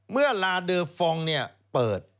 เมื่อลาเดอร์ฟองเปิด